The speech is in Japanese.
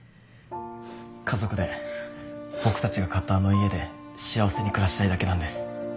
家族で僕たちが買ったあの家で幸せに暮らしたいだけなんです。